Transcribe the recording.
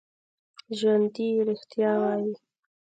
ژوندي رښتیا وايي